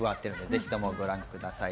是非ともご覧ください。